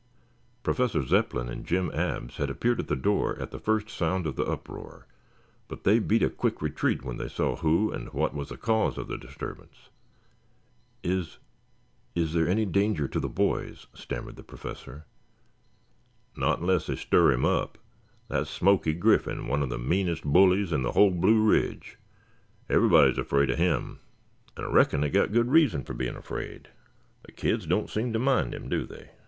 Professor Zepplin and Jim Abs had appeared at the door at the first sound of the uproar, but they beat a quick retreat when they saw who and what was the cause of the disturbance. "Is is there any danger to the boys?" stammered the Professor. "Not unless they stir him up. That's Smoky Griffin, one of the meanest bullies in the whole Blue Ridge. Everybody's afraid of him and I reckon they've got good reason fer being afraid. The kids don't seem to mind him, do they?"